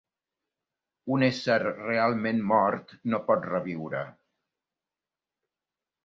Un ésser realment mort no pot reviure.